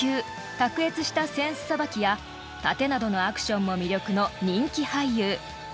［卓越した扇子さばきや殺陣などのアクションも魅力の人気俳優］